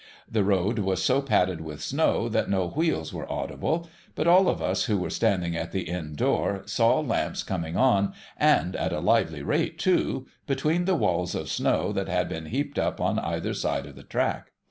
The road was so l)added with snow that no wheels were audible ; but all of us who were standing at the Inn door saw lamps coming on, and at a lively rate too, between the walls of snow that had been heaped up on either side of the track.